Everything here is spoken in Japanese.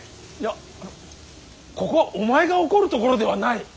いやここはお前が怒るところではない。